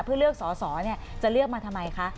เพื่อเลือกสอสอจะเลือกมาทำไมคะ